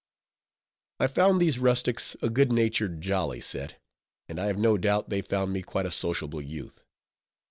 I found these rustics a good natured, jolly set; and I have no doubt they found me quite a sociable youth.